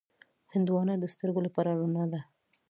هندوانه د سترګو لپاره رڼا ده.